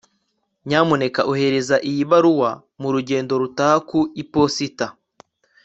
nyamuneka ohereza iyi baruwa mu rugendo rutaha ku iposita